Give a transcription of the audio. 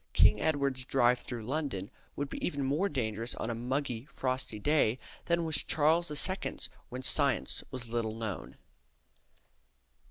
King Edward's drive through London would be even more dangerous on a muggy, frosty day than was Charles II.'s, when science was little known.